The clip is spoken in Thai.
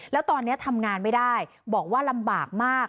แล้วตอนนี้ทำงานไม่ได้บอกว่าลำบากมาก